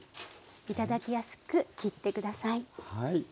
頂きやすく切って下さい。